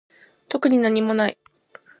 特になにもない